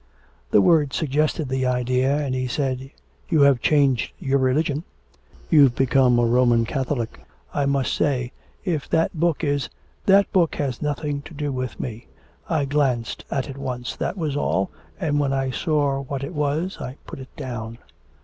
The word suggested the idea, and he said, 'you have changed your religion. You've become a Roman Catholic. I must say, if that book is ' 'That book has nothing to do with me. I glanced at it once, that was all, and, when I saw what it was, I put it down.'